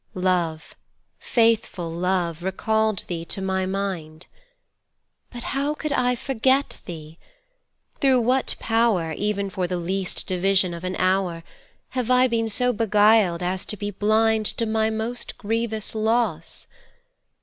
Love, faithful love, recalled thee to my mind 5 But how could I forget thee? Through what power, Even for the least division of an hour, Have I been so beguiled as to be blind To my most grievous loss?